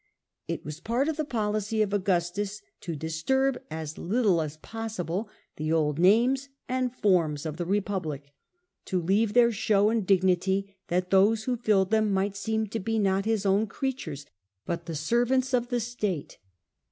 It was part of the policy of Augustus to disturb as little as possible the old names and forms of the Republic ; to leave their old show and dignity, that those who filled them might seem to be not his own creatures, but the servants of the state.